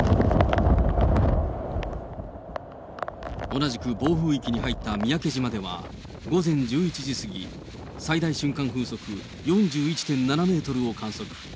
同じく暴風域に入った三宅島では、午前１１時過ぎ、最大瞬間風速４１．７メートルを観測。